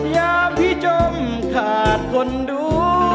อย่าพี่จมขาดคนดูใจ